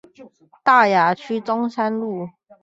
大雅區中山路